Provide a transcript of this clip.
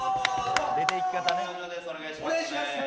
お願いします。